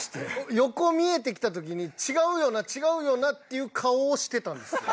横見えてきた時に「違うよな？違うよな？」っていう顔をしてたんです。